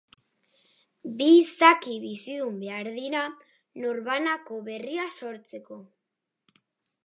Bi izaki bizidun behar dira norbanako berria sortzeko.